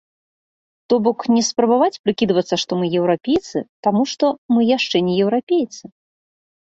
То бок, не спрабаваць прыкідвацца, што мы еўрапейцы, таму што мы яшчэ не еўрапейцы.